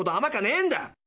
まかねえんだ！